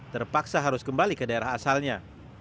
terpaksa harus kembali ke daerah asalnya